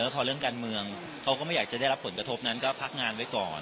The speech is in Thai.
พอเรื่องการเมืองเขาก็ไม่อยากจะได้รับผลกระทบนั้นก็พักงานไว้ก่อน